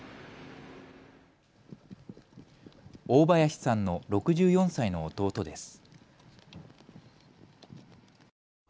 大林さんの６４歳の弟です。